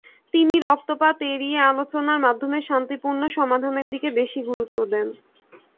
তিনি রক্তপাত এড়িয়ে আলোচনার মাধ্যমে শান্তিপূর্ণ সমাধানের দিকে বেশি গুরুত্ব দেন।